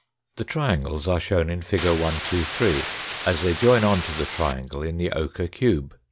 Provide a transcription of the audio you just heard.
The triangles are shown in fig. 123 as they join on to the triangle in the ochre cube.